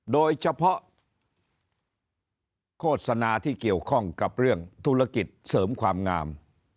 โดยเฉพาะโฆษณาที่เกี่ยวข้องกับเรื่องธุรกิจเสริมความงาม